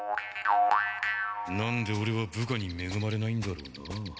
何でオレは部下にめぐまれないんだろうな。